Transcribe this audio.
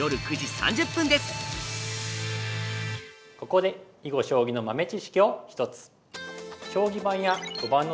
ここで囲碁将棋の豆知識を１つ。